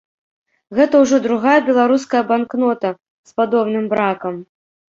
Гэта ўжо другая беларуская банкнота з падобным бракам.